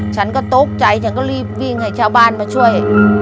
ฉันก็ตกใจฉันก็รีบวิ่งให้ชาวบ้านมาช่วย